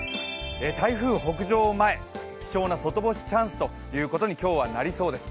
台風北上前、貴重な外干しチャンスということに今日はなりそうです。